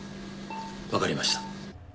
わかりました。